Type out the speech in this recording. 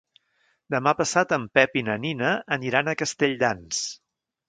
Demà passat en Pep i na Nina aniran a Castelldans.